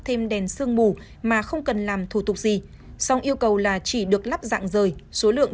thêm đèn sương mù mà không cần làm thủ tục gì song yêu cầu là chỉ được lắp dạng rời số lượng